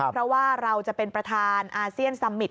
เพราะว่าเราจะเป็นประธานอาเซียนซัมมิต